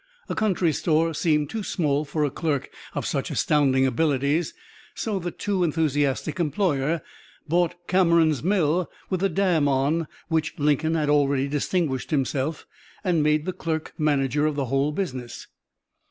A country store seemed too small for a clerk of such astounding abilities, so the too enthusiastic employer bought Cameron's mill with the dam on which Lincoln had already distinguished himself, and made the clerk manager of the whole business.